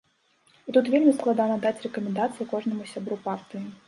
І тут вельмі складана даць рэкамендацыі кожнаму сябру партыі.